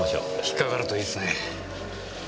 引っかかるといいですね。